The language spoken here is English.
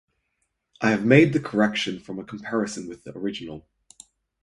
I have made the correction from a comparison with the original.